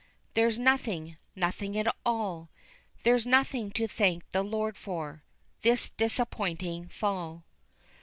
There's nothing, nothing at all, There's nothing to thank the Lord for This disappointing fall.